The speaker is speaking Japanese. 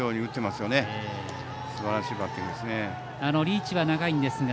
すばらしいバッティングですね。